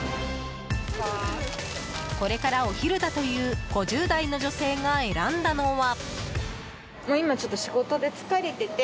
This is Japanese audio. これからお昼だという５０代の女性が選んだのは。